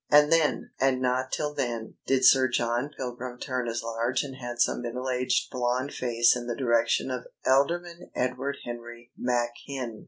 And then, and not till then, did Sir John Pilgrim turn his large and handsome middle aged blond face in the direction of Alderman Edward Henry Machin.